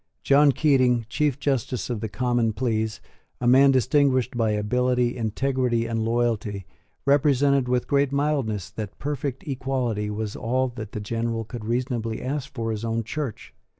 John Keating, Chief Justice of the Common Pleas, a man distinguished by ability, integrity, and loyalty, represented with great mildness that perfect equality was all that the General could reasonably ask for his own Church.